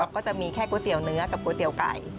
ก็จะมีแค่ก๋วยเตี๋ยวเนื้อกับก๋วยเตี๋ยวไก่